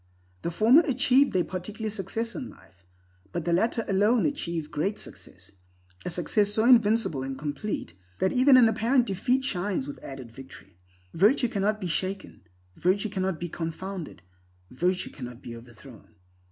The former achieve their particular success in life, but the latter alone achieve the Great Success, a success so invincible and complete that even an apparent defeat shines with added victory. Virtue cannot be shaken; virtue cannot be confounded; virtue cannot be overthrown.